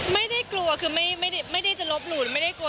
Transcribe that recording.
ไม่ได้กลัวคือไม่ได้จะลบหลู่ไม่ได้กลัว